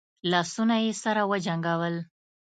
لاسونه يې سره وجنګول.